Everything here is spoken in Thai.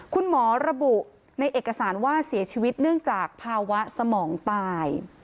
คุณหมอระบุในเอกสารว่าเสียชีวิตเนื่องจากภาวะสมองตาย